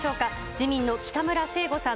自民の北村誠吾さん